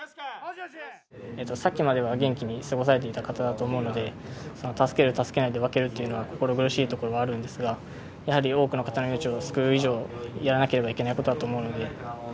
さっきまでは元気に過ごされていた方だと思うので助ける助けないで分けるっていうのは心苦しいところはあるんですがやはり多くの方の命を救う以上やらなければいけないことだと思うので。